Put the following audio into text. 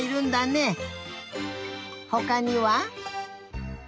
ほかには？